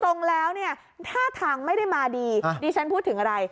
ตรงแล้วเนี่ยท่าทางไม่ได้มาดีดิฉันพูดถึงอะไร